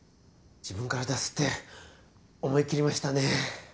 自分から出すって思い切りましたね。